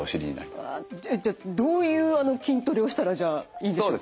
じゃあどういう筋トレをしたらじゃあいいでしょうか？